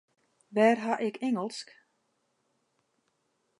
Wêr ha ik Ingelsk?